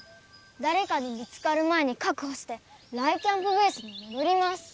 だれかに見つかる前にかくほして雷キャんぷベースにもどります。